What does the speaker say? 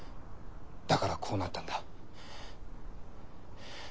だからこうなったんだ。